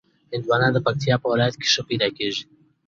هندوانه د پکتیا په ولایت کې ښه پیدا کېږي.